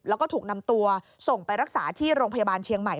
แล้วก็ถูกนำตัวส่งไปรักษาที่โรงพยาบาลเชียงใหม่